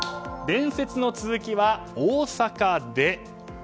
伝説の続きは大阪で。